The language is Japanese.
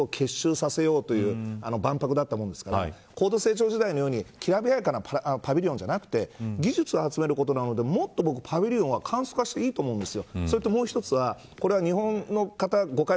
もともと医療、生命ライフサイエンスということで技術を結集させようという万博だったものですから高度成長時代にきらびやかなパビリオンじゃなくて技術を集めることなのでもっとパビリオンは簡素化していいと思うんです。